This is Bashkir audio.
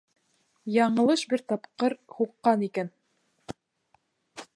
Яңылыш бер тапҡыр һуҡҡан икән...